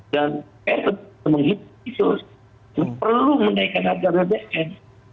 dan itu perlu menaikkan harga bbm